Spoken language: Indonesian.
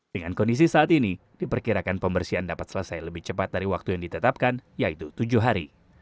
dengan kondisi saat ini diperkirakan pembersihan dapat selesai lebih cepat dari waktu yang ditetapkan yaitu tujuh hari